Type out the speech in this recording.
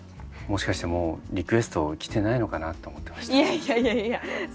もしかしてもうリクエストきてないのかなって思ってました。